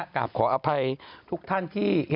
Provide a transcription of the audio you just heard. กราบขออภัยทุกท่านที่